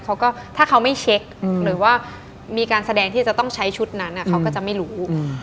เขาก็ถ้าเขาไม่เช็คหรือว่ามีการแสดงที่จะต้องใช้ชุดนั้นเขาก็จะไม่รู้